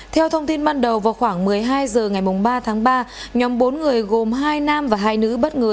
theo thông tin ban đầu vào khoảng một mươi hai h ngày ba tháng ba nhóm bốn người gồm hai nam và hai nữ bất ngờ